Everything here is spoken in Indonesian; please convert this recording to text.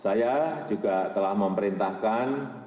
saya juga telah memerintahkan